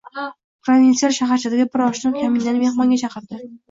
Provinsial shaharchadagi bir oshnam kaminani mehmonga chaqirdi